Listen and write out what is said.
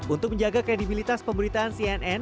untuk menjaga kredibilitas pemberitaan cnn